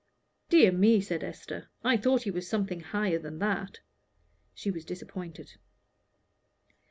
"Dear me," said Esther, "I thought he was something higher than that." She was disappointed.